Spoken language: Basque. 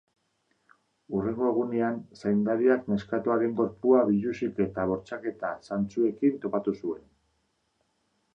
Hurrengo egunean, zaindariak neskatoaren gorpua biluzik eta bortxaketa zantzuekin topatu zuen.